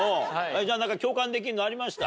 何か共感できるのありました？